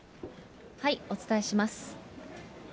お伝えします。